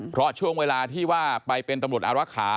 เพราะช่วงเวลาที่ว่าไปเป็นตำรวจอารักษา